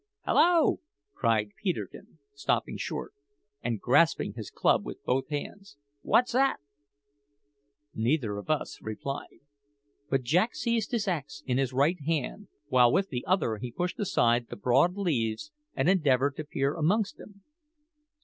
"Hallo!" cried Peterkin, stopping short, and grasping his club with both hands; "what's that?" Neither of us replied; but Jack seized his axe in his right hand, while with the other he pushed aside the broad leaves and endeavoured to peer amongst them.